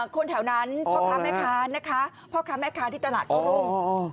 คนแถวนั้นพ่อค้าแม่ค้านะคะพ่อค้าแม่ค้าที่ตลาดกุ้ง